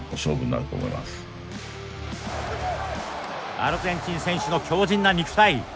アルゼンチン選手の強靭な肉体。